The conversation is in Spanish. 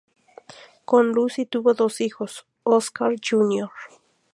Con Lucy tuvo dos hijos: Oscar Jr.